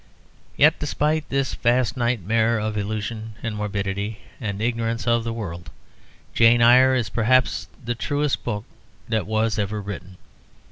Yet, despite this vast nightmare of illusion and morbidity and ignorance of the world, "Jane Eyre" is perhaps the truest book that was ever written.